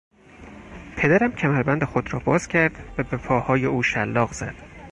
پدرم کمربند خود را باز کرد و به پاهای او شلاق زد.